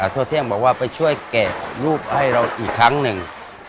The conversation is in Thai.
ทั่วเที่ยงบอกว่าไปช่วยแกะรูปให้เราอีกครั้งหนึ่ง